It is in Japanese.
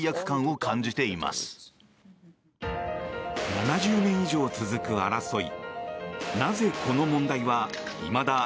７０年以上続く争い。